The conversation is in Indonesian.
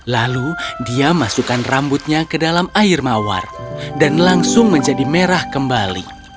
lalu dia masukkan rambutnya ke dalam air mawar dan langsung menjadi merah kembali